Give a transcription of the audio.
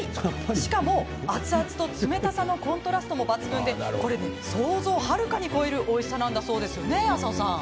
しかも、熱々と冷たさのコントラストも抜群でこれ想像をはるかに超えるおいしさなんですよね、浅尾さん。